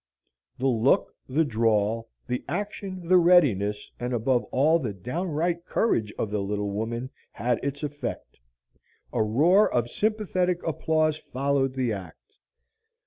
The look, the drawl, the action, the readiness, and above all the downright courage of the little woman, had its effect. A roar of sympathetic applause followed the act.